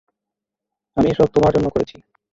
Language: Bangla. আমি এসব তোমার জন্য করেছি।